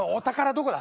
どこだ！？